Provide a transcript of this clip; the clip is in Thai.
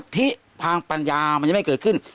ทางปัญญามันยังไม่เกิดขึ้น